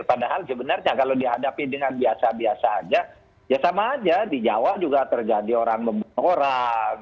padahal sebenarnya kalau dihadapi dengan biasa biasa aja ya sama aja di jawa juga terjadi orang membunuh orang